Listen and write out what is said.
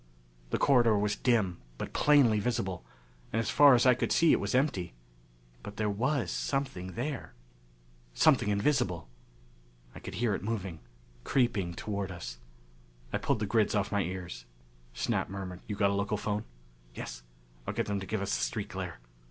The corridor was dim, but plainly visible, and as far as I could see it was empty. But there was something there. Something invisible! I could hear it moving. Creeping toward us. I pulled the grids off my ears. Snap murmured, "You've got a local phone?" "Yes. I'll get them to give us the street glare!"